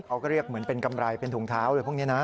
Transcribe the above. เขาก็เรียกเหมือนเป็นกำไรเป็นถุงเท้าอะไรพวกนี้นะ